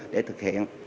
để thực hiện